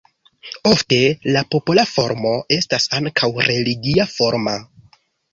Ofte la popola formo estas ankaŭ religia forma.